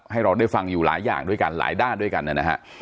ให้เราได้ฟังอยู่หลายอย่างด้วยกันหลายด้านด้วยกันนะฮะ